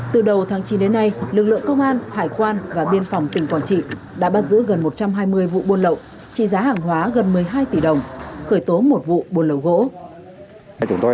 từ đầu tháng chín đến nay lực lượng công an hải quan và biên phòng tỉnh quảng trị